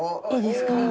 いいですか。